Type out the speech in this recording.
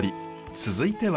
続いては？